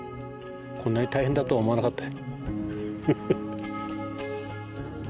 こんなに大変だとは思わなかったよ。